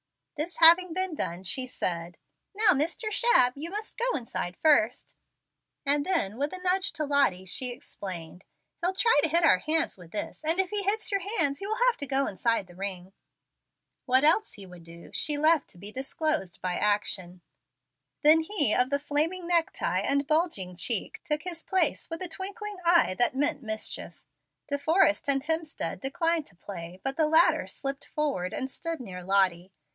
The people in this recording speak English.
This having been done, she said, "Now, Mr. Shabb, you must go inside first"; and then, with a nudge to Lottie, she explained, "He'll try to hit our hands with his, and if he hits your hands you will have to go inside the ring." What else he would do, she left to be disclosed by action. Then he of the flaming neck tie and bulging cheek took his place with a twinkling eye that meant mischief. De Forrest and Hemstead declined to play, but the latter slipped forward and stood near Lottie.